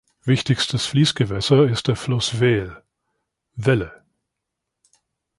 Wichtigstes Fließgewässer ist der Fluss Wel "(Welle)".